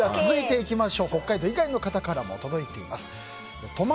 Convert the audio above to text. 続いて、北海道以外の方からも届いています。